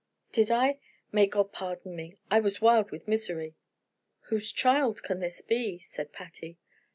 "Did I? May God pardon me I was wild with misery!" "Whose child can this be?" said Patty.